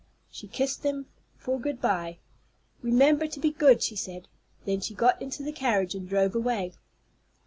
She kissed them for good by. "Remember to be good," she said. Then she got into the carriage and drove away.